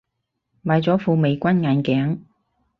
買咗副美軍眼鏡